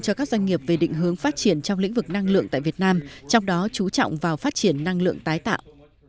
cho các doanh nghiệp về định hướng phát triển trong lĩnh vực năng lượng tại việt nam trong đó chú trọng vào phát triển năng lượng tái tạo